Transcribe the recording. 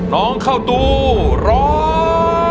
น้องข้าวตูร้อง